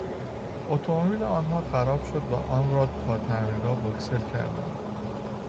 اتومبیل آنها خراب شد و آن را تا تعمیرگاه بکسل کردند.